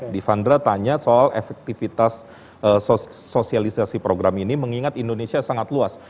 divandra tanya soal efektivitas sosialisasi program ini mengingat indonesia sangat luas